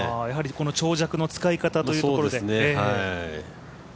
長尺の使い方というところで。